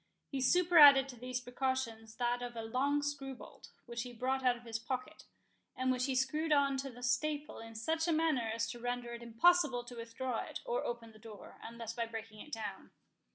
He superadded to these precautions that of a long screw bolt, which he brought out of his pocket, and which he screwed on to the staple in such a manner as to render it impossible to withdraw it, or open the door, unless by breaking it down.